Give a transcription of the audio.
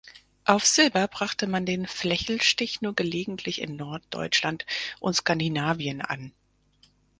Auf Silber brachte man den Flechelstich nur gelegentlich in Norddeutschland und Skandinavien an.